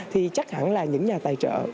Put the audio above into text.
thì chắc hẳn là những nhà tài trợ